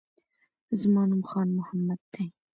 زما نوم خان محمد دی